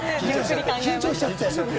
緊張しちゃって。